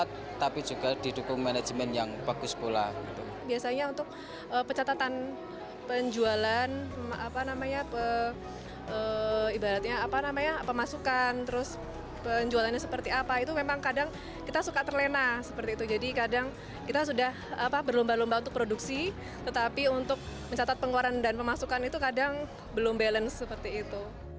tetapi untuk mencatat pengeluaran dan pemasukan itu kadang belum balance seperti itu